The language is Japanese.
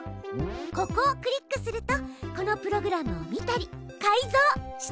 ここをクリックするとこのプログラムを見たり改造したりできるのよ。